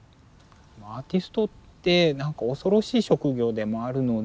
アーティストってなんか恐ろしい職業でもあるので。